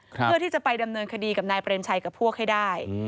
เพื่อที่จะไปดำเนินคดีกับนายเปรมชัยกับพวกให้ได้